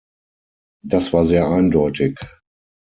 Das war sehr eindeutig.